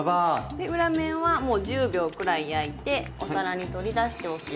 で裏面はもう１０秒くらい焼いてお皿に取り出しておきます。